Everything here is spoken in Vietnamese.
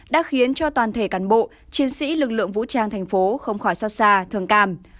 đã khiến cho toàn thể cán bộ chiến sĩ lực lượng vũ trang thành phố không khỏi xót xa thường cảm